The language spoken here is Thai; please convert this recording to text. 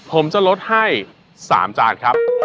ผมจะลดให้๓จานครับ